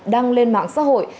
đăng lên mạng xã hội